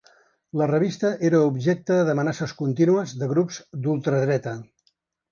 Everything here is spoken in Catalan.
La revista era objecte d’amenaces contínues de grups d’ultradreta.